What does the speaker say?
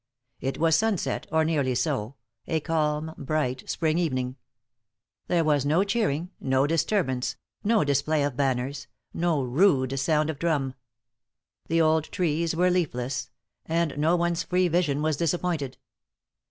It was sunset, or nearly so a calm, bright spring evening. There was no cheering, no disturbance, no display of banners, no rude sound of drum. The old trees were leafless; and no one's free vision was disappointed.